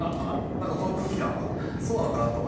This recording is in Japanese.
なんかこの空気感はそうなのかなと。